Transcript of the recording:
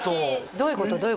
どういうこと？